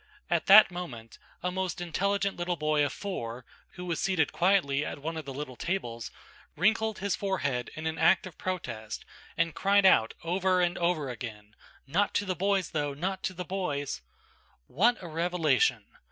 At that moment, a most intelligent little boy of four, who was seated quietly at one of the little tables, wrinkled his forehead in an act of protest and cried out over and over again;–"Not to the boys, though, not to the boys!" What a revelation!